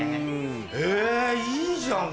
へぇいいじゃん